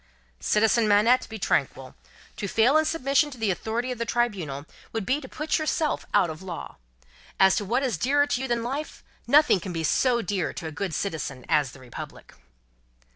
"Citizen Manette, be tranquil. To fail in submission to the authority of the Tribunal would be to put yourself out of Law. As to what is dearer to you than life, nothing can be so dear to a good citizen as the Republic."